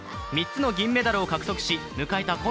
３つの銀メダルを獲得し迎えた